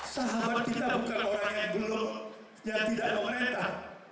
sahabat kita bukan orang yang belum yang tidak memerintah